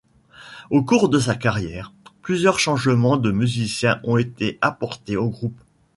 Au cours de sa carrière, plusieurs changements de musiciens ont été apportés au groupe.